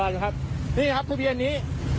นี่ครับทะเบียนนี้